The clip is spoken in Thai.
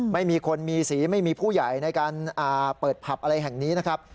ไม่มีคนมีสีไม่มีผู้ใหญ่ในการเปิดผับอะไรแห่งนี้นะครับ